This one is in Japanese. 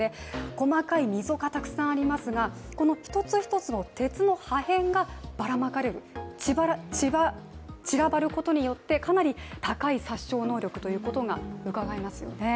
細かい溝がたくさんありますが、この一つ一つの鉄の破片がばらまかれる、散らばることによってかなり高い殺傷能力ということがうかがえますよね。